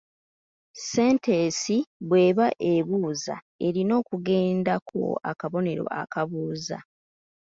Sentensi bw’eba ebuuza, erina okugendako akabonero akabuuza.